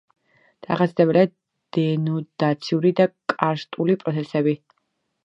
დამახასიათებელია დენუდაციური და კარსტული პროცესები.